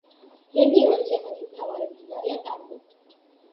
რეგიონის ერთ-ერთი მთავარი მდინარეა ტამბო.